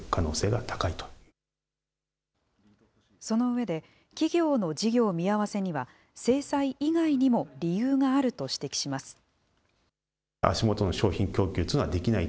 その上で、企業の事業見合わせには、制裁以外にも理由があると指摘します。